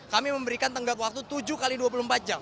kami memberikan tenggat waktu tujuh x dua puluh empat jam